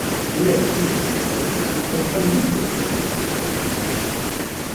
Delle recenti osservazioni mettono però in dubbio questa diagnosi.